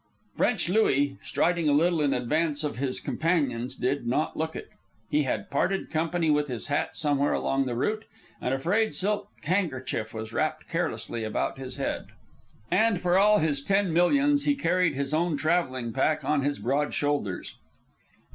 French Louis, striding a little in advance of his companions, did not look it. He had parted company with his hat somewhere along the route, and a frayed silk kerchief was wrapped carelessly about his head. And for all his ten millions, he carried his own travelling pack on his broad shoulders.